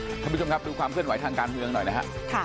ทุกผู้ชมน้ำครับดูความเวลาไหวทางการเมืองหน่อยนะครับ